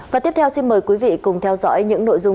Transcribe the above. và tiếp theo xin mời quý vị cùng theo dõi những nội dung